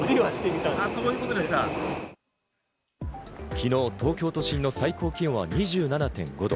きのう東京都心の最高気温は２７．５度。